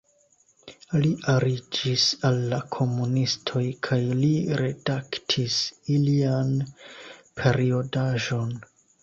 Li aliĝis al la komunistoj kaj li redaktis ilian periodaĵon.